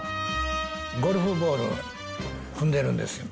ゴルフボール踏んでるんですよ。